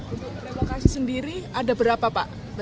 untuk relokasi sendiri ada berapa pak